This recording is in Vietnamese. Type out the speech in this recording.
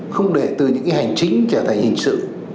không để từ những cái hành chính trở thành hình sự